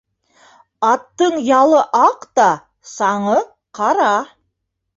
Аттың ялы аҡ та, саңы ҡара.